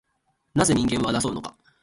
なぜ人間は争うのか